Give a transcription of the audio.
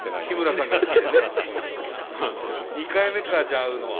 ２回目かじゃあ会うのは。